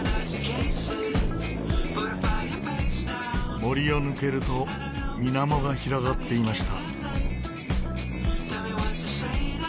森を抜けると水面が広がっていました。